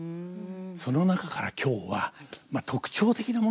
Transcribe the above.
その中から今日はまあ特徴的なものですね。